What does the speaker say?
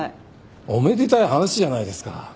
おめでたい話じゃないですか。